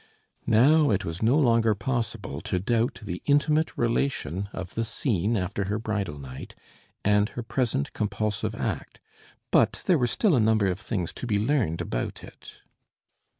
Now it was no longer possible to doubt the intimate relation of the scene after her bridal night and her present compulsive act, but there were still a number of things to be learned about it.